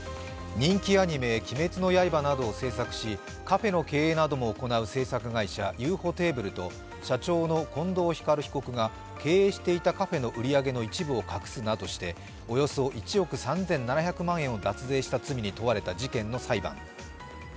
人気アニメ「鬼滅の刃」などを制作し、カフェの経営なども行うＵｆｏｔａｂｌｅと社長の近藤光被告が経営していたカフェの売り上げの一部を隠すなどしておよそ１億３７００万円を脱税した罪に問われた事件の裁判。